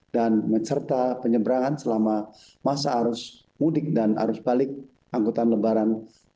dan mencerta penyeberangan selama masa arus mudik dan arus balik angkutan lebaran dua ribu dua puluh empat